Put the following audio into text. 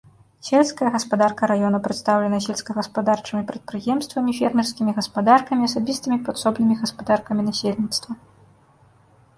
Сельская гаспадарка раёна прадстаўлена сельскагаспадарчымі прадпрыемствамі, фермерскімі гаспадаркамі і асабістымі падсобнымі гаспадаркамі насельніцтва.